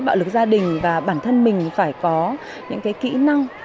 bạo lực gia đình và bản thân mình phải có những kỹ năng